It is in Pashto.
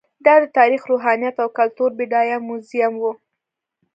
دا د تاریخ، روحانیت او کلتور بډایه موزیم و.